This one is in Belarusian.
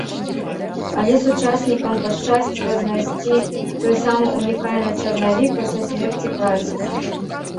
Але сучаснікам пашчасціла знайсці той самы ўнікальны чарнавік пасля смерці класіка.